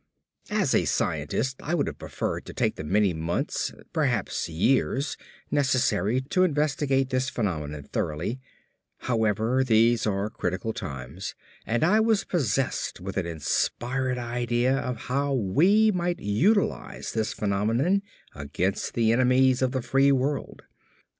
"As a scientist I would have preferred to take the many months, perhaps years, necessary to investigate this phenomenon thoroughly, however these are critical times and I was possessed with an inspired idea on how we might utilize this phenomenon against the enemies of the free world.